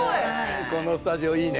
このスタジオいいね。